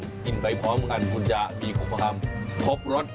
กินไปพร้อมกันคุณจะมีความครบรส